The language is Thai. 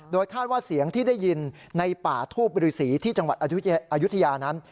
คาดว่าเสียงที่ได้ยินในป่าทูบบริษีที่จังหวัดอายุทยานั้น